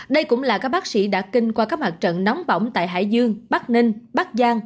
đây cũng là các bác sĩ đã kinh qua các mặt trận nóng bỏng tại hải dương bắc ninh bắc giang